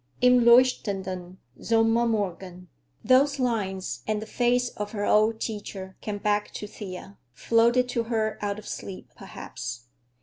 "Im leuchtenden Sommermorgen"; those lines, and the face of her old teacher, came back to Thea, floated to her out of sleep, perhaps.